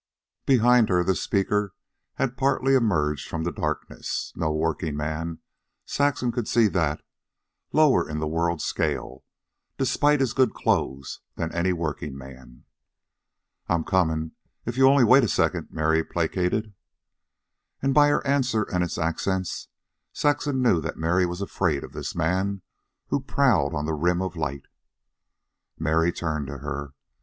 Behind her the speaker had partly emerged from the darkness. No workingman, Saxon could see that lower in the world scale, despite his good clothes, than any workingman. "I'm comin', if you'll only wait a second," Mary placated. And by her answer and its accents Saxon knew that Mary was afraid of this man who prowled on the rim of light. Mary turned to her.